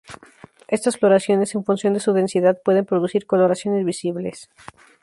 Estas floraciones, en función de su densidad pueden producir coloraciones visibles.